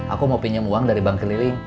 aku mau pinjam uang dari bank keliling